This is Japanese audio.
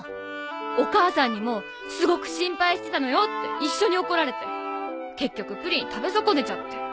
お母さんにも「すごく心配してたのよ！」って一緒に怒られて結局プリン食べ損ねちゃって。